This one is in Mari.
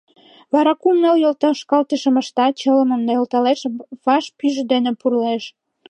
Вара кум-ныл йолтошкалтышым ышта, чылымым нӧлталеш, ваш пӱйжӧ дене пурлеш...